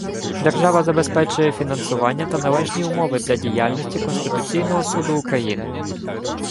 Держава забезпечує фінансування та належні умови для діяльності Конституційного Суду України